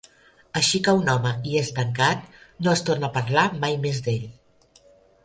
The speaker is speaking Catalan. Així que un home hi és tancat, no es torna a parlar mai més d'ell.